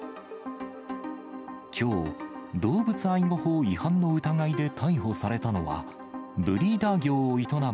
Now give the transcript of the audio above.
きょう、動物愛護法違反の疑いで逮捕されたのは、ブリーダー業を営む